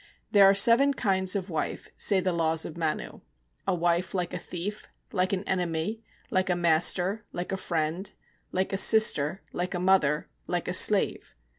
There are seven kinds of wife, say the Laws of Manu: a wife like a thief, like an enemy, like a master, like a friend, like a sister, like a mother, like a slave.